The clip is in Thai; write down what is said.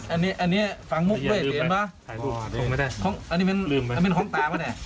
อันนี้เป็นของตาปะเนี่ย